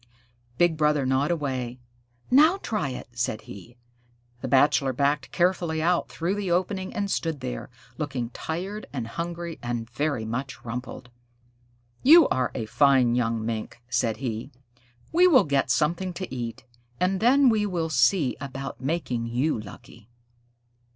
Big Brother gnawed away. "Now try it," said he. The Bachelor backed carefully out through the opening and stood there, looking tired and hungry and very much rumpled. "You are a fine young Mink," said he. "We will get something to eat, and then we will see about making you lucky."